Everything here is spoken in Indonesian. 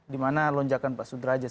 di mana lonjakan pak sudrajat